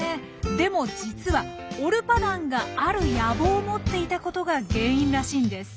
でも実はオルパダンがある野望を持っていたことが原因らしいんです。